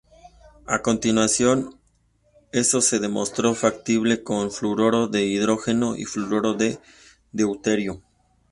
A continuación, eso se demostró factible con fluoruro de hidrógeno y fluoruro de deuterio.